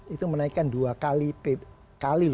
itu menaikkan dua kali